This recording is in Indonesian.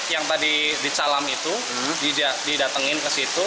yang tadi dicalam itu didatengin ke situ